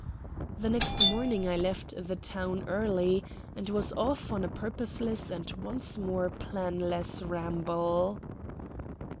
The next morning I left the town early, and was off on a purposeless and once more planless ramble.